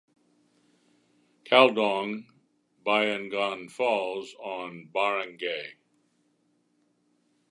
Caldong, Bayongon Falls on Barangay.